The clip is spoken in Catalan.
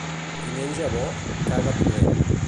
Qui menja bo, caga pudent.